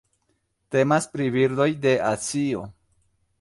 Temas pri birdoj de Azio.